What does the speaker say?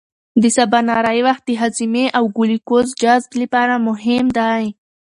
د سباناري وخت د هاضمې او ګلوکوز جذب لپاره مهم دی.